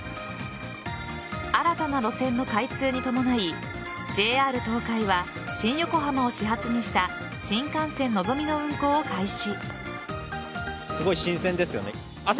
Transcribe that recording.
新たな路線の開通に伴いＪＲ東海は新横浜を始発にした新幹線のぞみの運行を開始。